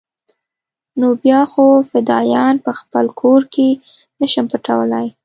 نو بيا خو فدايان په خپل کور کښې نه شم پټولاى.